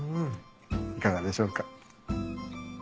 いかがでしょうか？